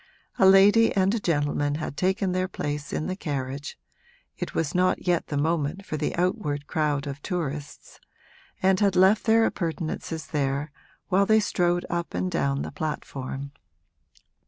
A lady and a gentleman had taken their place in the carriage (it was not yet the moment for the outward crowd of tourists) and had left their appurtenances there while they strolled up and down the platform.